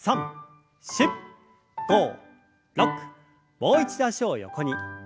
もう一度脚を横に。